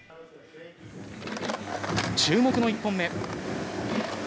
注目の１本目。